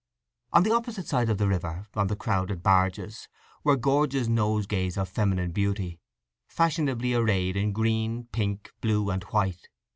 On the opposite side of the river, on the crowded barges, were gorgeous nosegays of feminine beauty, fashionably arrayed in green, pink, blue, and white.